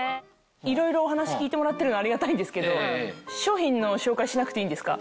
いろいろお話聞いてもらってるのありがたいんですけど商品の紹介しなくていいんですか？